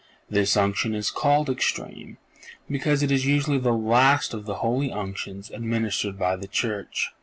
This unction is called Extreme, because it is usually the last of the holy unctions administered by the Church.